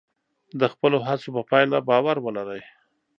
د خپلو هڅو په پایله باور ولرئ.